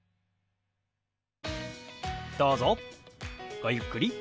ごゆっくり。